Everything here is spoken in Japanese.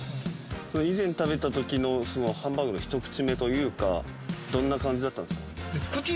以前食べたときのそのハンバーグの一口目というかどんな感じだったんですか？